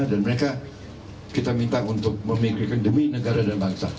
dan mereka kita minta untuk memikirkan demi negara dan bangsa